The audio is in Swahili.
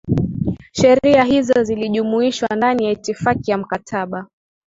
sheria hizo zilijumuishwa ndani ya itifaki ya mkataba